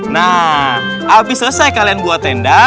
nah habis selesai kalian buat tenda